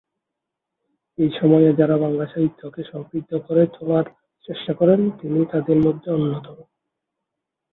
এ সময়ে যাঁরা বাংলা সাহিত্যকে সমৃদ্ধ করে তোলার চেষ্টা করেন, তিনি তাঁদের মধ্যে অন্যতম।